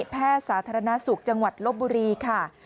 แพทย์สาธารณสุขจังหวัดลบบุรีค่ะ